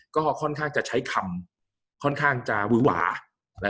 ก็ค่อนข้างจะใช้คำข้างจะวื้อวา